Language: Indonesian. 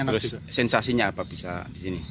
terus sensasinya apa bisa di sini